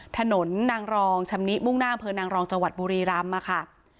ถนนนางรองชำนิมุ่งหน้าอำเภอนางรองจังหวัดบุรีรำค่ะ